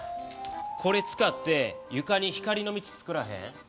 これ使ってゆかに光の道つくらへん？